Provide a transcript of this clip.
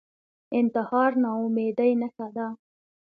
انتحار ناامیدۍ نښه ده